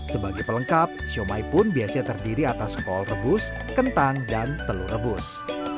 sebagai pelengkap siomay pun biasanya terdiri atas kol rebus kentang dan telur rebus